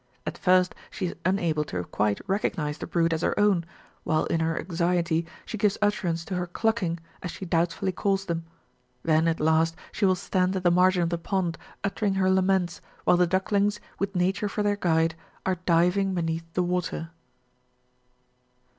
— At first, she is unable to quite recognize the brood as her own, while in her anxiety she gives utterance to her clucking as she doubtfully calls them ; then at last she will stand at the margin of ttie pond, uttering her laments, while the duck lings, with JS'ature for their guide, are diving beneath the water.